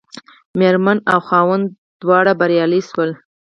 مېرمن او خاوند دواړه بریالي شول.